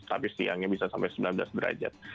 tapi siangnya bisa sampai sembilan belas derajat